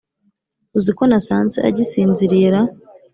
uziko nasanze agisinziriye raaa